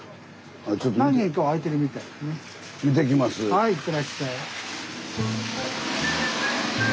はいいってらっしゃい。